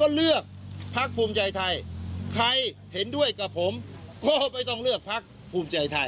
ก็เลือกพักภูมิใจไทยใครเห็นด้วยกับผมก็ไม่ต้องเลือกพักภูมิใจไทย